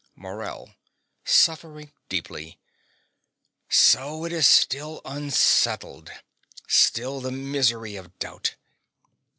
MORELL (suffering deeply). So it is still unsettled still the misery of doubt.